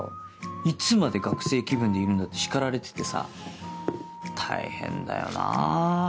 「いつまで学生気分でいるんだ」って叱られててさ大変だよなぁ。